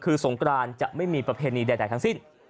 คือสงกรานจะไม่มีประเพณีใดทั้งสิ้น